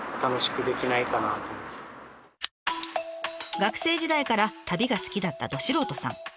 学生時代から旅が好きだったど素人さん。